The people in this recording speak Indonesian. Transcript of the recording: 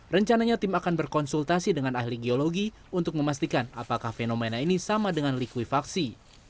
rencananya tim akan berkonsultasi dengan ahli geologi untuk memastikan apakah fenomena ini sama dengan likuifaksi